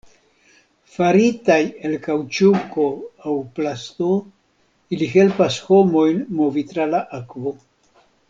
Faritaj el kaŭĉuko aŭ plasto, ili helpas homojn movi tra la akvo.